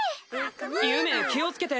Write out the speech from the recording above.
ゆめ気をつけて！